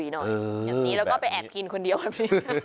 อย่างนี้แล้วก็ไปแอบกินคนเดียวอ่ะสิ